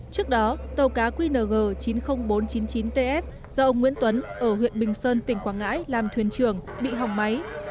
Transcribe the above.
trước đó tàu cá qng chín mươi nghìn bốn trăm chín mươi chín ts do ông nguyễn tuấn ở huyện bình sơn tỉnh quảng ngãi làm thuyền trường bị hỏng máy